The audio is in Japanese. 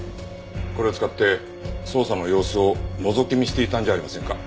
これを使って捜査の様子をのぞき見していたんじゃありませんか？